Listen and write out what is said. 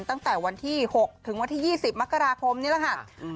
ตั้งแต่วันที่๖ถึงวันที่๒๐มกราคมนี่แหละค่ะ